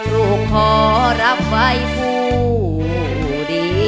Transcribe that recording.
ลูกขอรับไว้ผู้เดียว